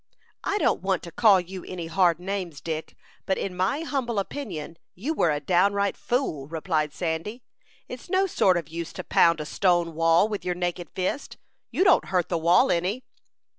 "I don't want to call you any hard names, Dick, but in my humble opinion, you were a downright fool," replied Sandy. "It's no sort of use to pound a stone wall with your naked fist. You don't hurt the wall any."